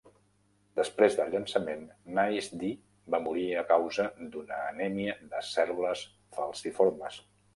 Després del llançament, Nyce D va morir a causa d'una anèmia de cèl·lules falciformes.